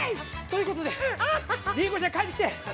ということでりんごちゃん帰ってきて！